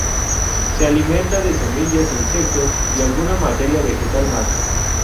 Se alimenta de semillas e insectos y alguna materia vegetal más.